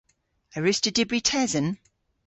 A wruss'ta dybri tesen?